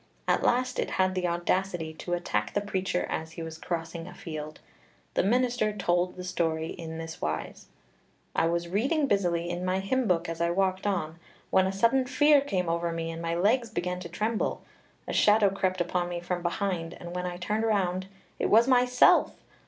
At last it had the audacity to attack the preacher as he was crossing a field. The minister told the story in this wise: 'I was reading busily in my hymn book as I walked on, when a sudden fear came over me and my legs began to tremble. A shadow crept upon me from behind, and when I turned round it was myself!